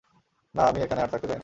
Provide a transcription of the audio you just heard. না, আমি এখানে আর থাকতে চাই না।